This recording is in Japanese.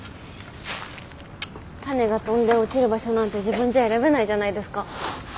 種が飛んで落ちる場所なんて自分じゃ選べないじゃないですか。